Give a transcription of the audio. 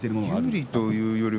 有利というより